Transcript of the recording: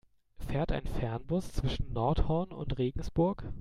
Fährt ein Fernbus zwischen Nordhorn und Regensburg?